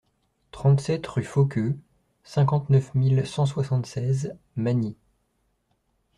trente-sept rue Fauqueux, cinquante-neuf mille cent soixante-seize Masny